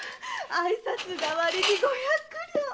挨拶代わりに五百両！